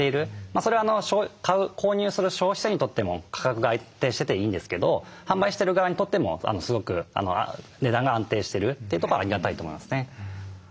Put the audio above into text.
それは買う購入する消費者にとっても価格が安定してていいんですけど販売してる側にとってもすごく値段が安定してるってとこはありがたいと思いますね。